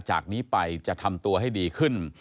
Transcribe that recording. จากนี้ไปจะทำตัวให้ดีขึ้น